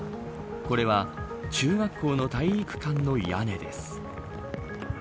これは中学校の体育館の屋根です。